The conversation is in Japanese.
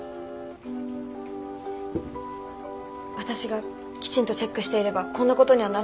私がきちんとチェックしていればこんなことにはならなかったんです。